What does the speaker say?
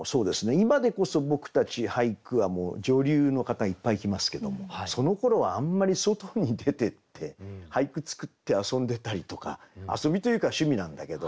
今でこそ僕たち俳句はもう女流の方いっぱい来ますけどもそのころはあんまり外に出てって俳句作って遊んでたりとか遊びというか趣味なんだけど。